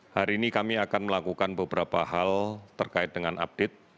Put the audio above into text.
hari ini kami akan melakukan beberapa hal terkait dengan update